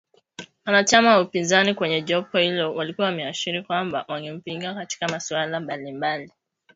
Wanachama wa upinzani kwenye jopo hilo walikuwa wameashiria kwamba wangempinga katika masuala mbalimbali.